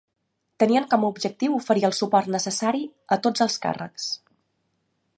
Tenien com a objectiu oferir el suport necessari a tots els càrrecs.